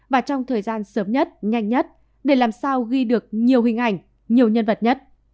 và trong thời gian sớm nhất nhanh nhất để làm sao ghi được nhiều hình ảnh nhiều nhân vật nhất